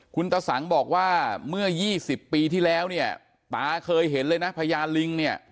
คุณตะสังบอกว่าเมื่อ๒๐ปีที่แล้วเนี่ยตาเคยเห็นเลยนะพญาลิงเนี่ย